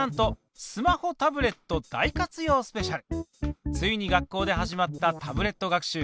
今年はなんとついに学校で始まったタブレット学習。